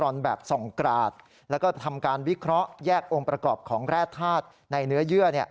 เพื่อทำการวิเคราะห์แยกองค์ประกอบของแร่ธาตุในเนื้อเยื่อ